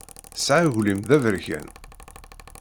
Tesɛa aglim d aberkan.